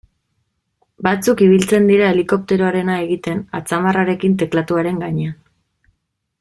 Batzuk ibiltzen dira helikopteroarena egiten atzamarrarekin teklatuaren gainean.